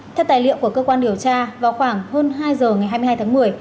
theo tài liệu của cơ quan điều tra vào khoảng hơn hai giờ ngày hai mươi hai tháng một mươi